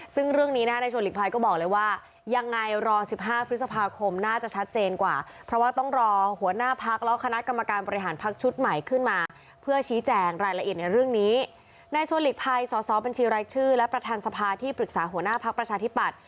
สสบญชีรายชื่อและประทัดสภาที่ปรึกษาหัวหน้ามงู้นประชาที่ปัด